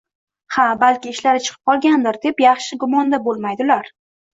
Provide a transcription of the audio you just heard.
Ha balki ishlari chiqib qolgandir deb yaxshi gumonda boʻlmaydi ular.